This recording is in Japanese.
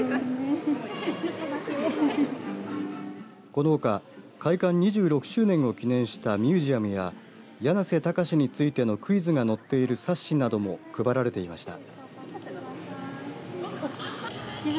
このほか会館２６周年を記念したミュージアムややなせたかしについてのクイズが載っている冊子なども配られていました。